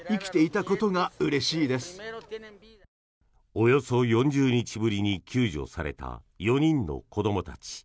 およそ４０日ぶりに救助された４人の子どもたち。